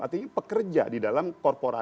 artinya pekerja di dalam korporasi